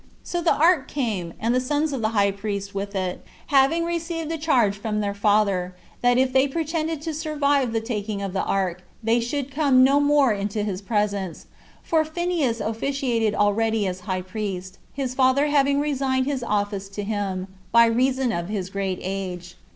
So the ark came, and the sons of the high priest with it, having received a charge from their father, that if they pretended to survive the taking of the ark, they should come no more into his presence, for Phineas officiated already as high priest, his father having resigned his office to him, by reason of his great age.